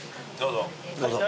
どうぞ。